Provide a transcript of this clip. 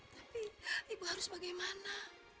tapi ibu harus bagaimana